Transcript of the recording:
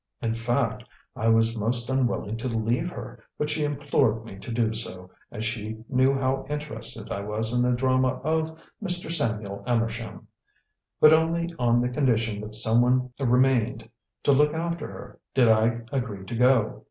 In fact, I was most unwilling to leave her, but she implored me to do so, as she knew how interested I was in the drama of Mr. Samuel Amersham. But only on the condition that someone remained to look after her did I agree to go.